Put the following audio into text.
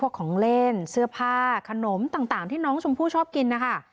ของเล่นเสื้อผ้าขนมต่างที่น้องชมพู่ชอบกินนะคะ